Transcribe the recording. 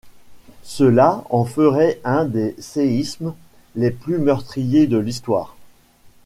Cela en ferait un des séismes les plus meurtriers de l'histoire.